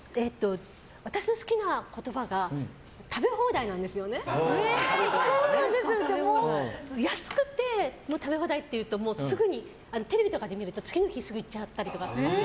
私の好きな言葉が食べ放題なんですよね。安くて食べ放題っていうとテレビとかで見ると次の日すぐ行っちゃったりとか。